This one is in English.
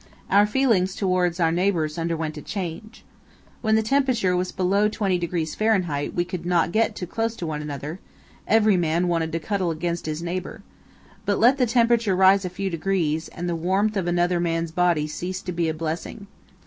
Our feelings towards our neighbours underwent a change. When the temperature was below 20° Fahr, we could not get too close to one another—every man wanted to cuddle against his neighbour; but let the temperature rise a few degrees and the warmth of another man's body ceased to be a blessing.